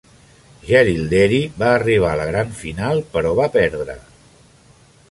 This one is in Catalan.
Jerilderie va arribar a la gran final, però va perdre.